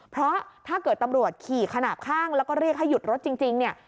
เพราะถ้าเกิดตำรวจขี่ขนาดข้างแล้วก็เรียกให้หยุดรถจริงเนี่ย